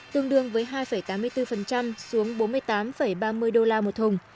tương đương với hai tám mươi bốn xuống bốn mươi tám ba mươi đô la một thùng